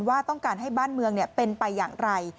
ว่าต้องการให้บ้านเมืองเป็นไปอย่างไร